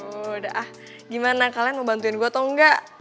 udah ah gimana kalian mau bantuin gue atau enggak